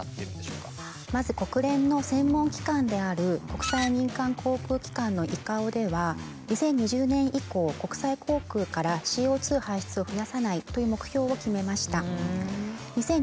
まず国連の専門機関である国際民間航空機関のＩＣＡＯでは２０２０年以降国際航空からＣＯ排出を増やさないという目標を決めました。